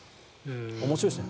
面白いですね